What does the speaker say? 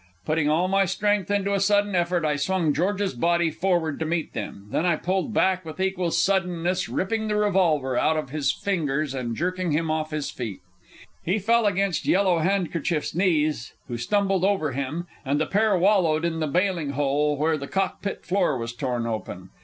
Putting all my strength into a sudden effort, I swung George's body forward to meet them. Then I pulled back with equal suddenness, ripping the revolver out of his fingers and jerking him off his feet. He fell against Yellow Handkerchief's knees, who stumbled over him, and the pair wallowed in the bailing hole where the cockpit floor was torn open.